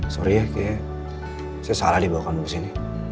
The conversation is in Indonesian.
sorry ya kayaknya saya salah dibawakan ke sini